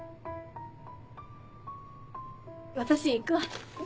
私行くわ。